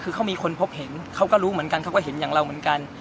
คือเขามีคนพบเห็นเขาก็รู้เหมือนกันเขาก็เห็นอย่างเราเหมือนกัน